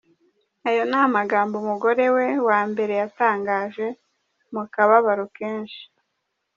Ayo ni amagambo umugore we wa mbere yatangaje mu kababaro kenshi.